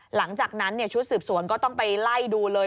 หลังจากนั้นชุดสืบสวนก็ต้องไปไล่ดูเลย